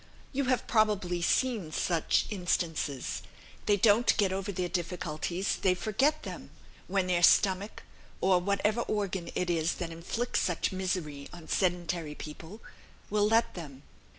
You have probably seen such instances. They don't get over their difficulties; they forget them, when their stomach (or whatever organ it is that inflicts such misery on sedentary people) will let them.